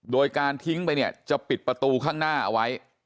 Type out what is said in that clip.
โดยการทิ้งไปเนี่ยจะปิดประตูข้างหน้าเอาไว้